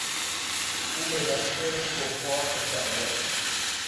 او به دست کفار به شهادت رسید.